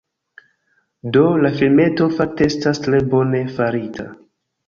Do, la filmeto fakte estas tre bone farita